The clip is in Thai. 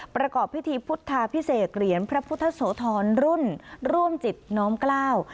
ประกอบพิธีพุทธาพิเศษเหรียญพระพุทธโสธรรุ่นร่วมจิตน้อมกล้าว